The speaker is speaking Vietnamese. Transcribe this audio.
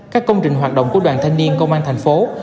các công trình hoạt động của đoàn thanh niên công an tp hcm